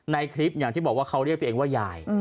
ในคลิปอย่างที่บอกว่าเขาเรียกตัวเองว่ายาย